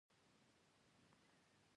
د روبوټ جوړول لوړه پوهه غواړي.